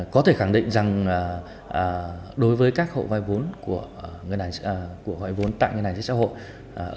có thể khẳng định rằng đối với các hộ vay vốn của người đàn chí của hội vốn tại người đàn chí